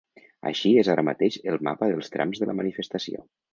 Així és ara mateix el mapa dels trams de la manifestació.